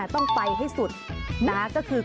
ต้องไปให้สุดนะคะก็คือ